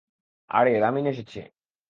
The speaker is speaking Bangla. আরে, রামিন এসেছে!